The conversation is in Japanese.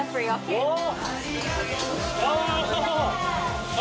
おっ！